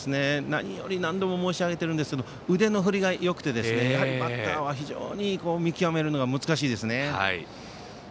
何より、何度も申し上げているんですが腕の振りがよくて、バッターは非常に見極めるのが難しいですね。